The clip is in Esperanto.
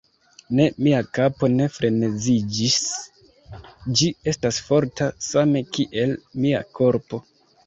Ne, mia kapo ne freneziĝis: ĝi estas forta, same kiel mia korpo.